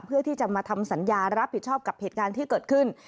เพื่อที่จะมาทำสัญญารับผิดชอบกับเหตุการณ์ที่เกิดขึ้น